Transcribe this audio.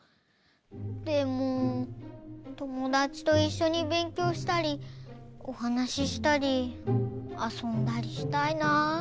でもともだちといっしょにべんきょうしたりおはなししたりあそんだりしたいな。